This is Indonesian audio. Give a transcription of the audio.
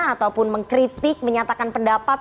ataupun mengkritik menyatakan pendapat